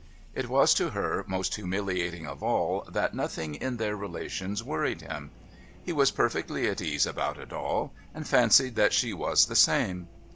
It was to her most humiliating of all, that nothing in their relations worried him. He was perfectly at ease about it all, and fancied that she was the same.